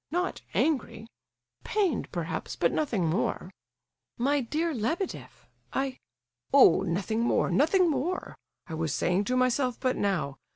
Not angry; pained perhaps, but nothing more. "My dear Lebedeff, I—" "Oh, nothing more, nothing more! I was saying to myself but now...